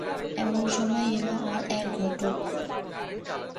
এমন সময়ে এল আর-এক ঘটক।